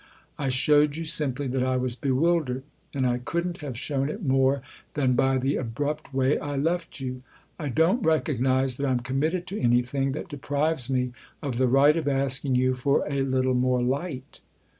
I showed you simply that I was bewildered, and I couldn't have shown it more than by the abrupt way I left you. I don't recognise that I'm committed to anything that deprives me of the right of asking you for a little more light."